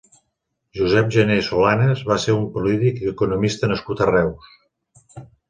Josep Gener Solanes va ser un polític i economista nascut a Reus.